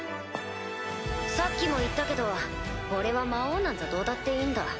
さっきも言ったけど俺は魔王なんざどうだっていいんだ。